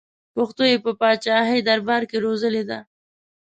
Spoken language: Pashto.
پښتو یې په پاچاهي دربار کې روزلې ده.